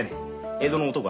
江戸の男はな